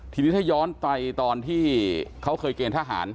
ทีนี้ถ้าย้อนไปตอนที่เขาเคยเกณฑ์ทหาร